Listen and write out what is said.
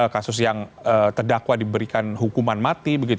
kasus yang terdakwa diberikan hukuman mati